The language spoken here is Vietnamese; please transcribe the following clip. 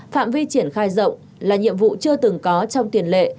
phạm vi triển khai rộng là nhiệm vụ chưa từng có trong tiền lệ